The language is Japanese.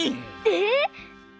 えっ！？